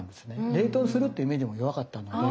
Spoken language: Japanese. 冷凍するってイメージも弱かったので。